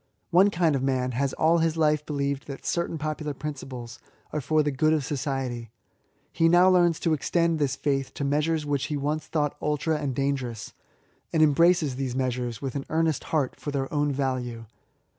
One kind of man has all his life believed that certain popular pruiciples are for the good of society ; he now learns to extend this faith to measures which he once thought idtra and dangerous, atid embraces these measures with an earnest heart, for their own value.